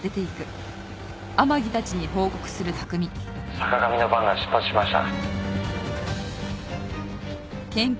「坂上のバンが出発しました」